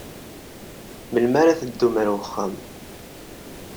Melmi ara teddum ɣer uxxam?